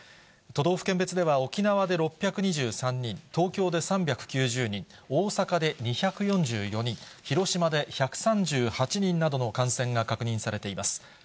都道府県別では、沖縄で６２３人、東京で３９０人、大阪で２４４人、広島で１３８人などの感染が確認されています。